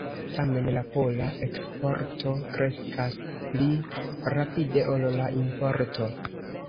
Tamen la pola eksporto kreskas pli rapide ol la importo.